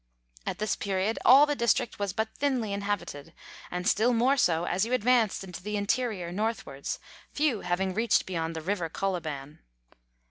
At this period all the district was but thinly inhabited, and still more so as you advanced into the interior northwards, few having reached beyond the River Colibau.